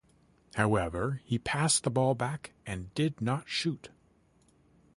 However, he passed the ball back and did not shoot.